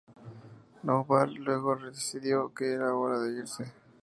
Noh-Varr luego decidió que era "hora de irse".